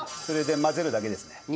それで混ぜるだけですね。